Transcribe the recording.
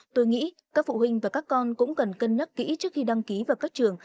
tôi nghĩ các phụ huynh và các con cũng cần cân nhắc kỹ trước khi đăng ký vào các trường